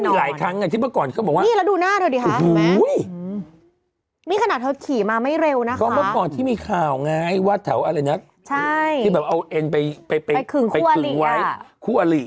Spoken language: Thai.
มีหลายครั้งไงที่เมื่อก่อนเค้าบอกว่า